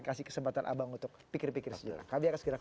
kasih kesempatan abang untuk pikir pikir sejarah